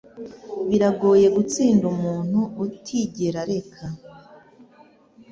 Biragoye gutsinda umuntu utigera areka.”